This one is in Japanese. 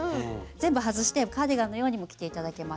全部外してカーディガンのようにも着て頂けますし。